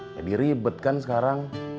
ya diribet kan sekarang